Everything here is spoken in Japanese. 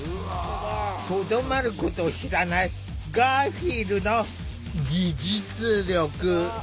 とどまることを知らないガーフィールの技術力。